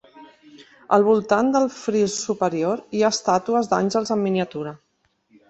Al voltant del fris superior hi ha estàtues d'àngels en miniatura.